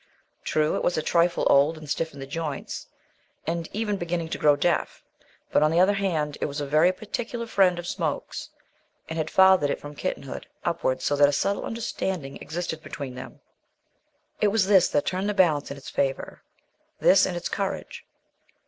True, it was a trifle old, and stiff in the joints, and even beginning to grow deaf, but, on the other hand, it was a very particular friend of Smoke's, and had fathered it from kittenhood upwards so that a subtle understanding existed between them. It was this that turned the balance in its favour, this and its courage.